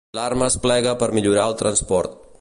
L'arma es plega per millorar el transport.